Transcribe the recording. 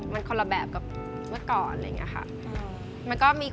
มันคนละแบบกับเมื่อก่อน